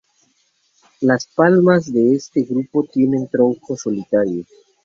Las palmas de este grupo tienen troncos solitarios.